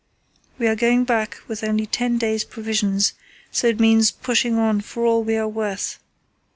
We are going back with only ten days' provisions, so it means pushing on for all we are worth.